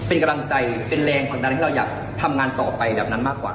เป็นกำลังใจเป็นแรงผลักดันที่เราอยากทำงานต่อไปแบบนั้นมากกว่า